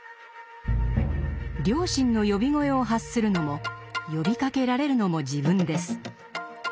良心の呼び声を発するのも呼びかけられるのも自分です。